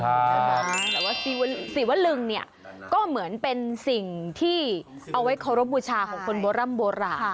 แต่ว่าศิวลึงเนี่ยก็เหมือนเป็นสิ่งที่เอาไว้เคารพบูชาของคนโบร่ำโบราณ